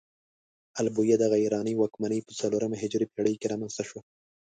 ال بویه دغه ایراني واکمنۍ په څلورمه هجري پيړۍ کې رامنځته شوه.